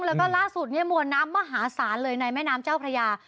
แล้วก็ล่าสุดเนี่ยมวลน้ำมหาศาลเลยในแม่น้ำเจ้าพระยา